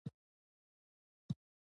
د ریګ دښتې د افغان ښځو په ژوند کې رول لري.